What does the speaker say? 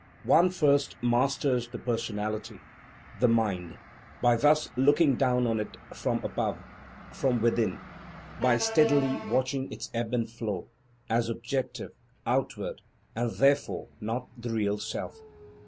One first masters the personality, the "mind," by thus looking down on it from above, from within; by steadily watching its ebb and flow, as objective, outward, and therefore not the real Self.